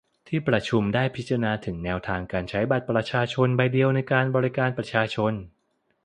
ที่ประชุมได้พิจาณาถึงแนวทางการใช้บัตรประชาชนใบเดียวในการบริการประชาชน